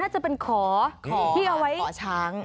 น่าจะเป็นของของช้าง